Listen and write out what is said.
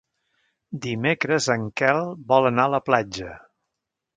Dimecres en Quel vol anar a la platja.